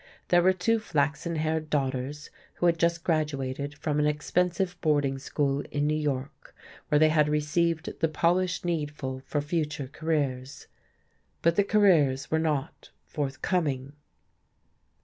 There were two flaxen haired daughters who had just graduated from an expensive boarding school in New York, where they had received the polish needful for future careers. But the careers were not forthcoming.